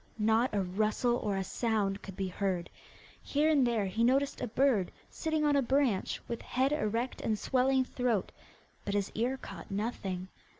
Not a rustle or a sound could be heard. Here and there he noticed a bird sitting on a branch, with head erect and swelling throat, but his ear caught nothing.